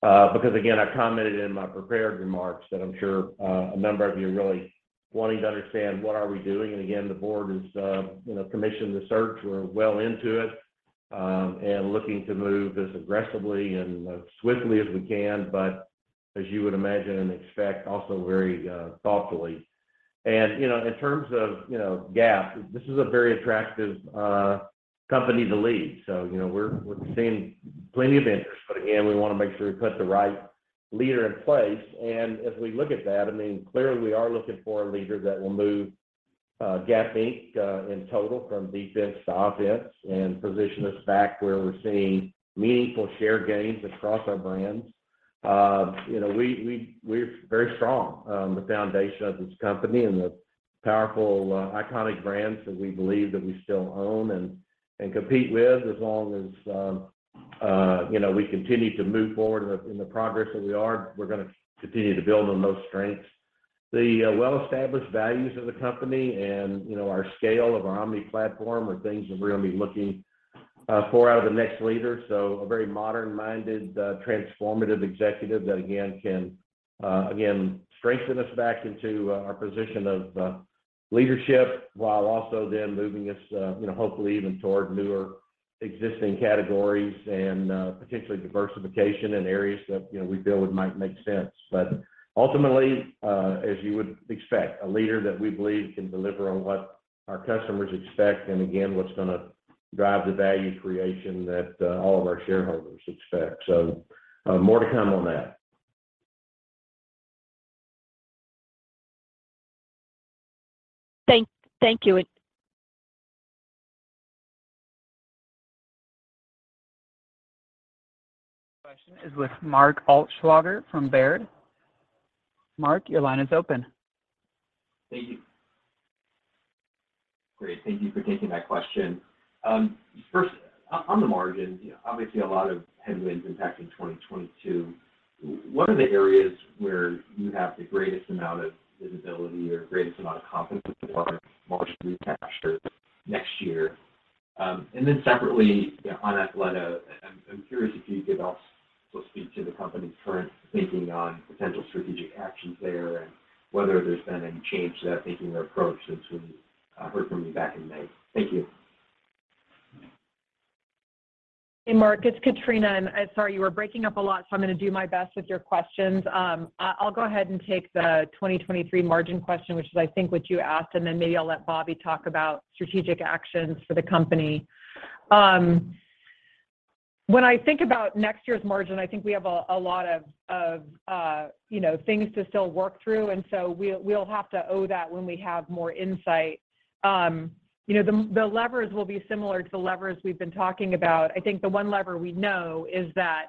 S3: Because again, I commented in my prepared remarks that I'm sure a number of you are really wanting to understand what are we doing. Again, the board has, you know, commissioned the search. We're well into it and looking to move as aggressively and as swiftly as we can, but as you would imagine and expect, also very thoughtfully. You know, in terms of, you know, Gap, this is a very attractive company to lead. You know, we're seeing plenty of interest. Again, we wanna make sure we put the right leader in place. As we look at that, I mean, clearly, we are looking for a leader that will move Gap Inc. in total from defense to offense and position us back where we're seeing meaningful share gains across our brands. You know, we're very strong. The foundation of this company and the powerful, iconic brands that we believe that we still own and compete with as long as, you know, we continue to move forward in the progress that we're gonna continue to build on those strengths. Well-established values of the company and, you know, our scale of our omni-platform are things that we're gonna be looking for out of the next leader. A very modern-minded, transformative executive that, again, can, again, strengthen us back into our position of leadership while also then moving us, you know, hopefully even toward new or existing categories and, potentially diversification in areas that, you know, we feel might make sense. Ultimately, as you would expect, a leader that we believe can deliver on what our customers expect and again, what's gonna drive the value creation that all of our shareholders expect. More to come on that.
S9: Thank you.
S1: Question is with Mark Altschwager from Baird. Mark, your line is open.
S10: Thank you. Great. Thank you for taking my question. On the margin, you know, obviously a lot of headwinds impacting 2022. What are the areas where you have the greatest amount of visibility or greatest amount of confidence about margin recapture next year? Separately, you know, on Athleta, I'm curious if you could also speak to the company's current thinking on potential strategic actions there and whether there's been any change to that thinking or approach since we heard from you back in May. Thank you.
S4: Hey, Mark, it's Katrina. Sorry, you were breaking up a lot, so I'm gonna do my best with your questions. I'll go ahead and take the 2023 margin question, which is I think what you asked, and then maybe I'll let Bobby talk about strategic actions for the company. When I think about next year's margin, I think we have a lot of, you know, things to still work through, so we'll have to hold that when we have more insight. You know, the levers will be similar to the levers we've been talking about. I think the one lever we know is that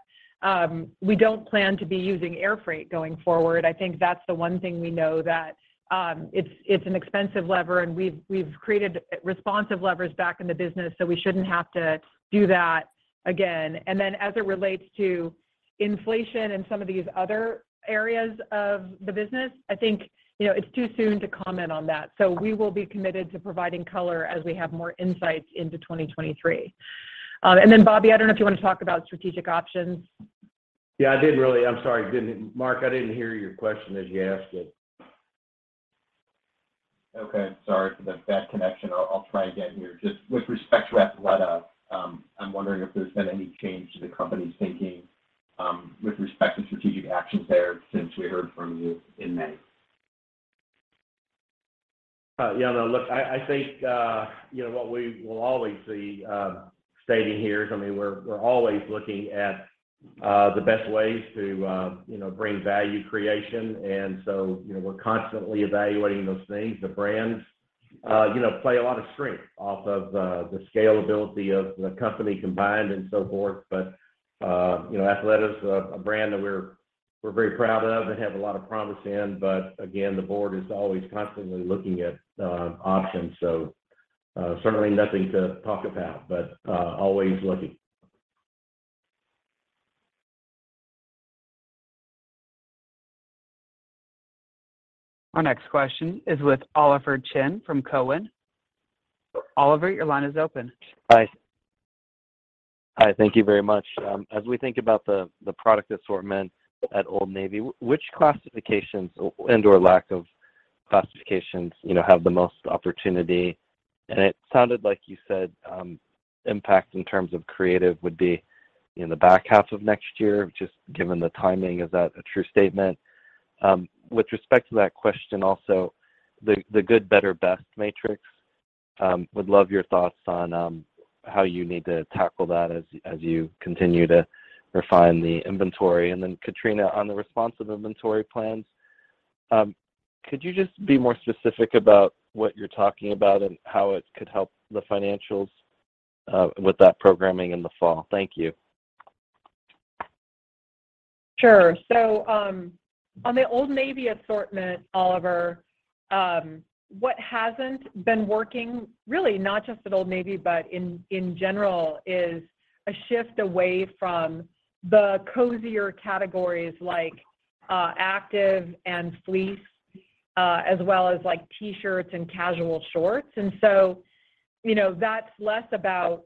S4: we don't plan to be using air freight going forward. I think that's the one thing we know that it's an expensive lever, and we've created responsive levers back in the business, so we shouldn't have to do that again. As it relates to inflation and some of these other areas of the business, I think, you know, it's too soon to comment on that. We will be committed to providing color as we have more insights into 2023. Bobby, I don't know if you wanna talk about strategic options.
S3: I'm sorry. Mark, I didn't hear your question as you asked it.
S10: Okay. Sorry for the bad connection. I'll try again here. Just with respect to Athleta, I'm wondering if there's been any change to the company's thinking, with respect to strategic actions there since we heard from you in May.
S3: Yeah, no, look, I think, you know, what we will always be stating here is, I mean, we're always looking at the best ways to, you know, bring value creation. You know, we're constantly evaluating those things. The brands, you know, play a lot of strength off of the scalability of the company combined and so forth. You know, Athleta's a brand that we're very proud of and have a lot of promise in. Again, the board is always constantly looking at options. Certainly nothing to talk about, but always looking.
S1: Our next question is with Oliver Chen from Cowen. Oliver, your line is open.
S11: Hi. Thank you very much. As we think about the product assortment at Old Navy, which classifications and/or lack of classifications, you know, have the most opportunity? It sounded like you said, impact in terms of creative would be in the back half of next year, just given the timing. Is that a true statement? With respect to that question also, the good, better, best matrix, would love your thoughts on, how you need to tackle that as you continue to refine the inventory. Then Katrina, on the responsive inventory plans, could you just be more specific about what you're talking about and how it could help the financials, with that programming in the fall? Thank you.
S4: Sure. On the Old Navy assortment, Oliver, what hasn't been working, really not just at Old Navy, but in general, is a shift away from the cozier categories like active and fleece, as well as, like, T-shirts and casual shorts. You know, that's less about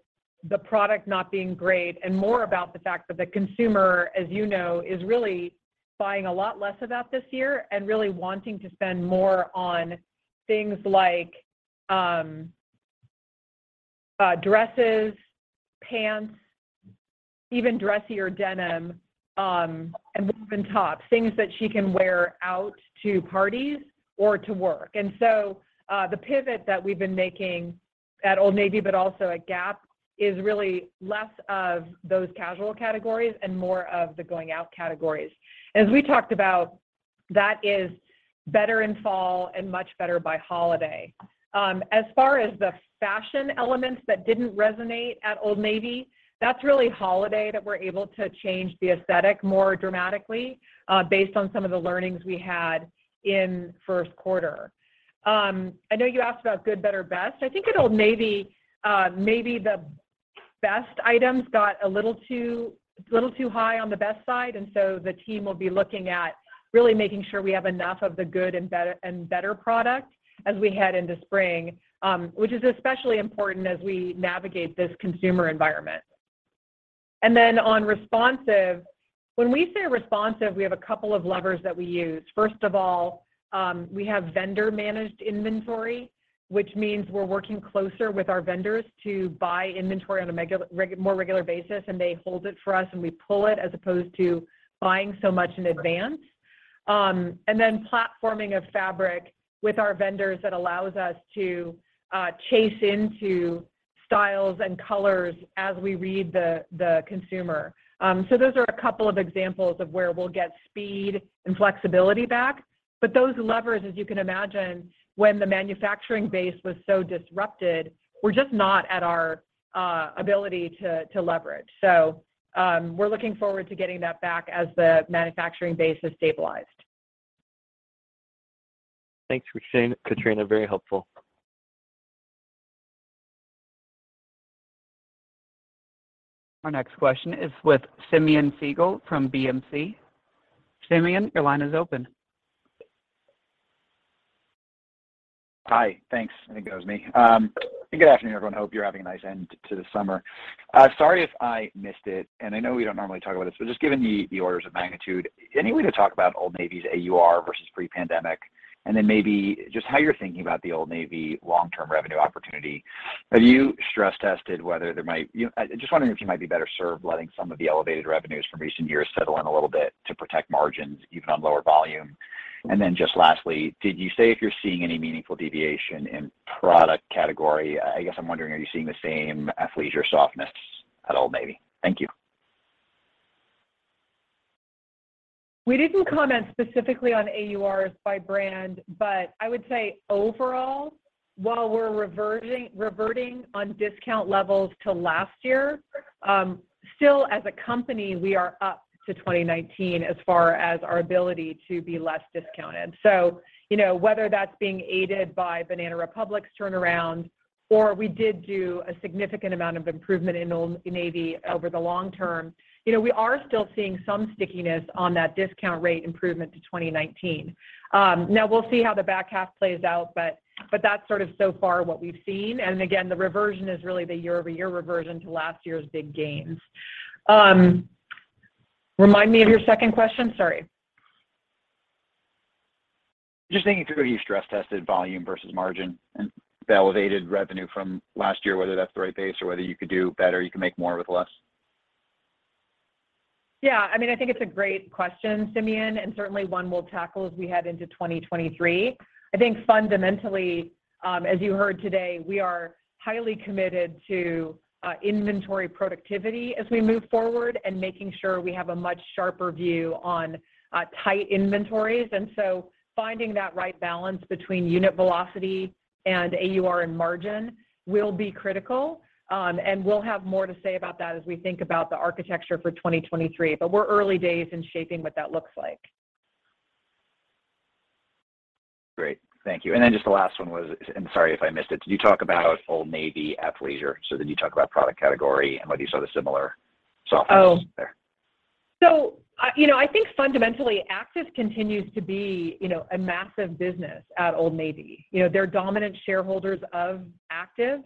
S4: the product not being great and more about the fact that the consumer, as you know, is really buying a lot less of that this year, and really wanting to spend more on things like dresses, pants, even dressier denim, and woven tops, things that she can wear out to parties or to work. The pivot that we've been making at Old Navy, but also at Gap, is really less of those casual categories and more of the going out categories. As we talked about, that is better in fall and much better by holiday. As far as the fashion elements that didn't resonate at Old Navy, that's really holiday that we're able to change the aesthetic more dramatically, based on some of the learnings we had in first quarter. I know you asked about good, better, best. I think at Old Navy, maybe the best items got a little too high on the best side, and so the team will be looking at really making sure we have enough of the good and better, and better product as we head into spring, which is especially important as we navigate this consumer environment. On responsive, when we say responsive, we have a couple of levers that we use. First of all, we have vendor-managed inventory, which means we're working closer with our vendors to buy inventory on a more regular basis, and they hold it for us, and we pull it as opposed to buying so much in advance. Then platforming of fabric with our vendors that allows us to chase into styles and colors as we read the consumer. Those are a couple of examples of where we'll get speed and flexibility back. Those levers, as you can imagine, when the manufacturing base was so disrupted, we're just not at our ability to leverage. We're looking forward to getting that back as the manufacturing base has stabilized.
S11: Thanks for saying, Katrina. Very helpful.
S1: Our next question is with Simeon Siegel from BMO. Simeon, your line is open.
S12: Hi. Thanks. I think that was me. Good afternoon, everyone. Hope you're having a nice end to the summer. Sorry if I missed it, and I know we don't normally talk about this, but just given the orders of magnitude, any way to talk about Old Navy's AUR versus pre-pandemic, and then maybe just how you're thinking about the Old Navy long-term revenue opportunity. Have you stress tested whether there might. You know, I'm just wondering if you might be better served letting some of the elevated revenues from recent years settle in a little bit to protect margins even on lower volume. Then just lastly, did you say if you're seeing any meaningful deviation in product category? I guess I'm wondering, are you seeing the same athleisure softness at Old Navy? Thank you.
S4: We didn't comment specifically on AURs by brand, but I would say overall, while we're reverting on discount levels to last year, still as a company, we are up to 2019 as far as our ability to be less discounted. You know, whether that's being aided by Banana Republic's turnaround or we did do a significant amount of improvement in Old Navy over the long term, you know, we are still seeing some stickiness on that discount rate improvement to 2019. Now we'll see how the back half plays out, but that's sort of so far what we've seen. Again, the reversion is really the year-over-year reversion to last year's big gains. Remind me of your second question. Sorry.
S12: Just thinking through how you stress tested volume versus margin and the elevated revenue from last year, whether that's the right base or whether you could do better, you can make more with less.
S4: Yeah. I mean, I think it's a great question, Simeon, and certainly one we'll tackle as we head into 2023. I think fundamentally, as you heard today, we are highly committed to inventory productivity as we move forward and making sure we have a much sharper view on tight inventories. Finding that right balance between unit velocity and AUR and margin will be critical, and we'll have more to say about that as we think about the architecture for 2023. We're early days in shaping what that looks like.
S12: Great. Thank you. Just the last one was. Sorry if I missed it. Did you talk about Old Navy athleisure? Did you talk about product category and whether you saw the similar softness there?
S4: Oh. You know, I think fundamentally, active continues to be, you know, a massive business at Old Navy. You know, they're dominant share of active.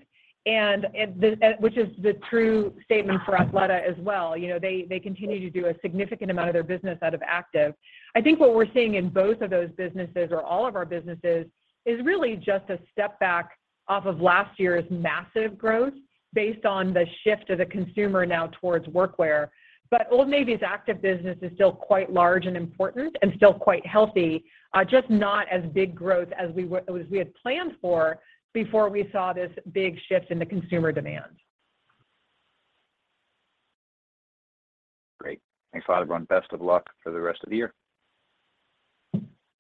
S4: Which is the true statement for Athleta as well. You know, they continue to do a significant amount of their business out of active. I think what we're seeing in both of those businesses or all of our businesses is really just a step back off of last year's massive growth based on the shift of the consumer now towards work wear. Old Navy's active business is still quite large and important and still quite healthy, just not as big growth as we had planned for before we saw this big shift in the consumer demand.
S12: Great. Thanks a lot, everyone. Best of luck for the rest of the year.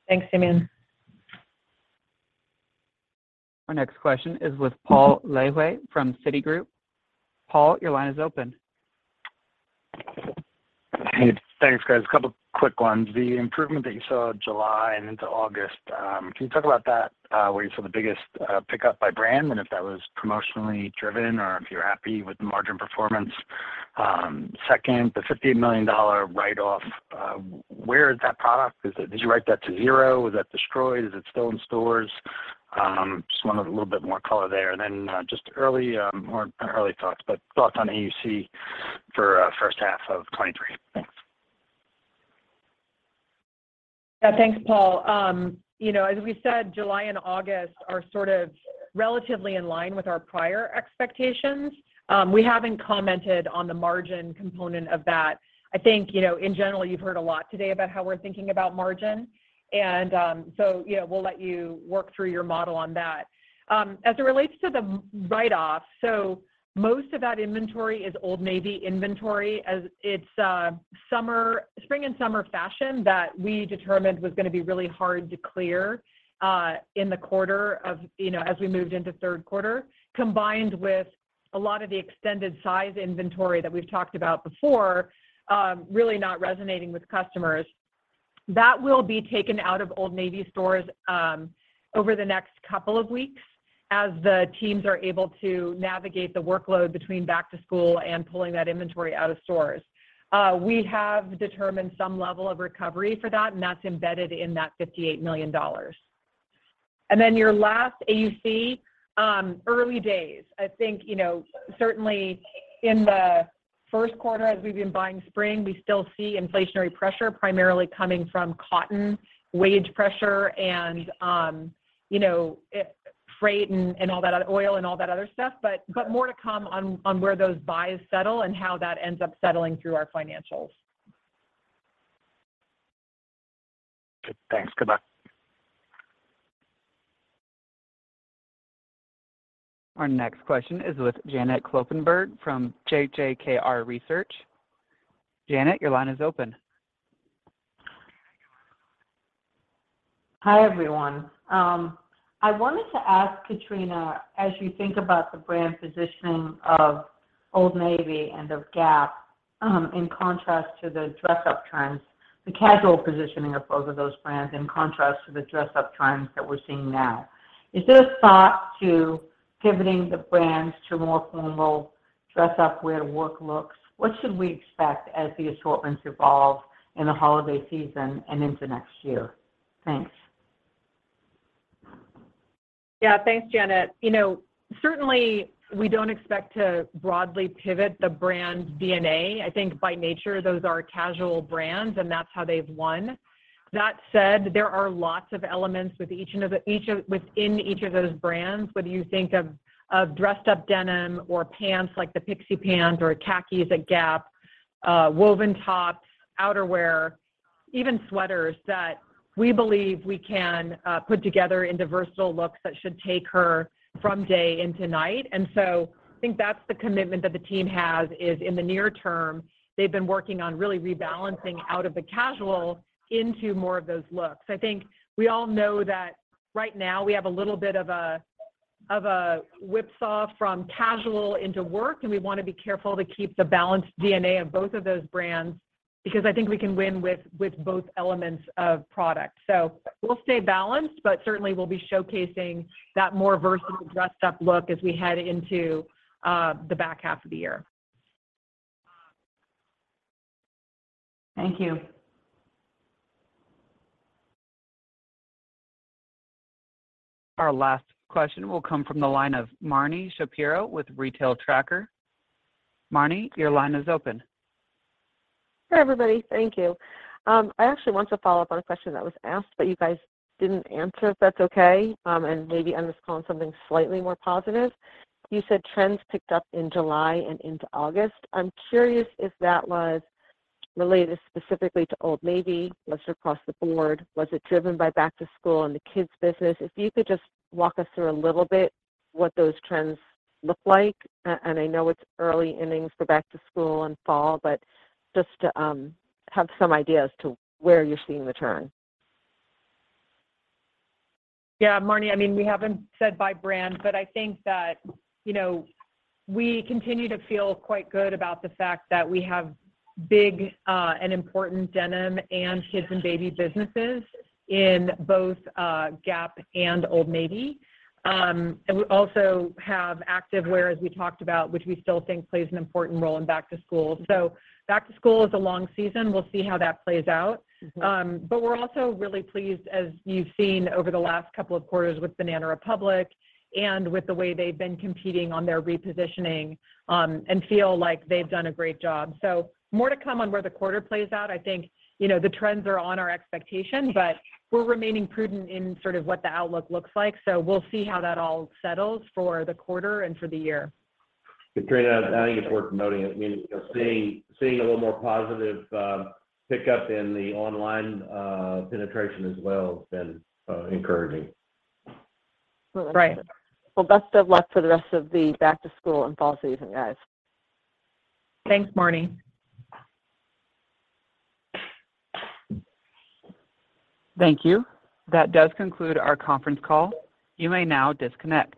S4: Thanks, Simeon.
S1: Our next question is with Paul Lejuez from Citigroup. Paul, your line is open.
S13: Hey. Thanks, guys. A couple quick ones. The improvement that you saw July and into August, can you talk about that, where you saw the biggest pickup by brand, and if that was promotionally driven or if you're happy with the margin performance? Second, the $58 million write-off, where is that product? Did you write that to zero? Is that destroyed? Is it still in stores? Just wanted a little bit more color there. Just early or not early thoughts, but thoughts on AUC for first half of 2023. Thanks.
S4: Yeah. Thanks, Paul. You know, as we said, July and August are sort of relatively in line with our prior expectations. We haven't commented on the margin component of that. I think, you know, in general, you've heard a lot today about how we're thinking about margin, and, so, yeah, we'll let you work through your model on that. As it relates to the write-off, most of that inventory is Old Navy inventory as it's spring and summer fashion that we determined was gonna be really hard to clear in the quarter, you know, as we moved into third quarter, combined with a lot of the extended size inventory that we've talked about before, really not resonating with customers. That will be taken out of Old Navy stores, over the next couple of weeks as the teams are able to navigate the workload between back to school and pulling that inventory out of stores. We have determined some level of recovery for that, and that's embedded in that $58 million. Then your last AUC, early days. I think, you know, certainly in the first quarter as we've been buying spring, we still see inflationary pressure primarily coming from cotton, wage pressure and, you know, freight and all that other oil and all that other stuff. But more to come on, where those buys settle and how that ends up settling through our financials.
S13: Okay. Thanks. Goodbye.
S1: Our next question is with Janet Kloppenburg from JJK Research. Janet, your line is open.
S14: Hi, everyone. I wanted to ask Katrina, as you think about the brand positioning of Old Navy and of Gap, in contrast to the dress-up trends, the casual positioning of both of those brands in contrast to the dress-up trends that we're seeing now. Is there a thought to pivoting the brands to more formal dress-up wear-to-work looks? What should we expect as the assortments evolve in the holiday season and into next year? Thanks.
S4: Yeah. Thanks, Janet. You know, certainly we don't expect to broadly pivot the brand DNA. I think by nature those are casual brands, and that's how they've won. That said, there are lots of elements within each of those brands, whether you think of dressed up denim or pants like the Pixie Pants or khakis at Gap, woven tops, outerwear, even sweaters that we believe we can put together into versatile looks that should take her from day into night. I think that's the commitment that the team has, is in the near term, they've been working on really rebalancing out of the casual into more of those looks. I think we all know that right now we have a little bit of a whipsaw from casual into work, and we wanna be careful to keep the balanced DNA of both of those brands because I think we can win with both elements of product. We'll stay balanced, but certainly we'll be showcasing that more versatile dressed up look as we head into the back half of the year.
S14: Thank you.
S1: Our last question will come from the line of Marni Shapiro with The Retail Tracker. Marni, your line is open.
S15: Hi, everybody. Thank you. I actually want to follow up on a question that was asked, but you guys didn't answer, if that's okay, and maybe end this call on something slightly more positive. You said trends picked up in July and into August. I'm curious if that was related specifically to Old Navy, was it across the board? Was it driven by back to school and the kids business? If you could just walk us through a little bit what those trends look like. And I know it's early innings for back to school and fall, but just to have some idea as to where you're seeing the turn.
S4: Yeah, Marni, I mean, we haven't said by brand, but I think that, you know, we continue to feel quite good about the fact that we have big and important denim and kids and baby businesses in both Gap and Old Navy. We also have activewear, as we talked about, which we still think plays an important role in back to school. Back to school is a long season. We'll see how that plays out. We're also really pleased, as you've seen over the last couple of quarters with Banana Republic and with the way they've been competing on their repositioning, and feel like they've done a great job. More to come on where the quarter plays out. I think, you know, the trends are on our expectation, but we're remaining prudent in sort of what the outlook looks like. We'll see how that all settles for the quarter and for the year.
S3: Katrina, I think it's worth noting that, I mean, seeing a little more positive pickup in the online penetration as well has been encouraging.
S4: Right.
S15: Well, best of luck for the rest of the back to school and fall season, guys.
S4: Thanks, Marni.
S1: Thank you. That does conclude our conference call. You may now disconnect.